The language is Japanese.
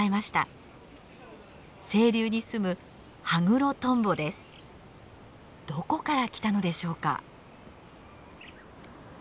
清流に住むどこから来たのでしょうか？